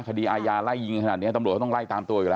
คดีอายารแร่ยิงขนาดนี้ตำรับต้องไล่ตามตัว